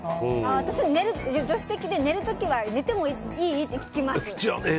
私は助手席で寝る時は寝てもいい？って聞きます。